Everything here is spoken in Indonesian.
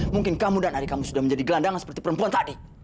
mungkin kamu dan adik kamu sudah menjadi gelandangan seperti perempuan tadi